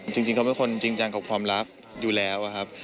จริงเขาเป็นคนจริงจังกับความรักอยู่แล้วครับ